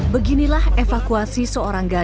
beginilah evakuasi seorang gadis